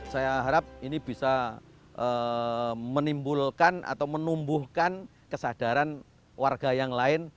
saya harap ini bisa menimbulkan atau menumbuhkan kesadaran warga yang lain